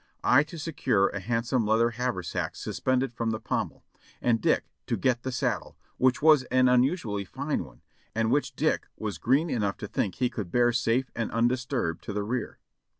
I to secure a handsome leather haversack suspended from the pommel, and Dick to get the saddle, which was an unusually fine one, and which Dick was green enough to think he could bear safe and undisturbed to the rear.